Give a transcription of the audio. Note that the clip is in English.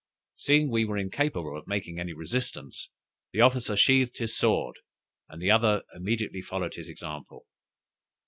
Seeing we were incapable of making any resistance, the officer sheathed his sword, and the others immediately followed his example.